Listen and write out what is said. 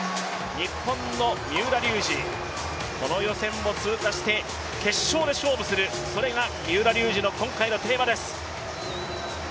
日本の三浦龍司、この予選も通過して決勝で勝負する、それが三浦龍司の今回のテーマです。